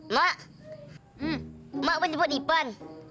mak mak baca buat ipan